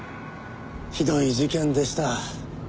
ひどい事件でした。